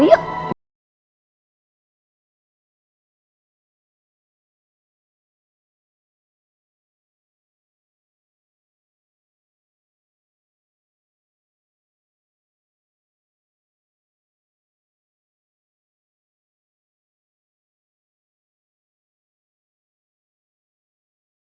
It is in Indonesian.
dan memperbaiki rumah tangga aku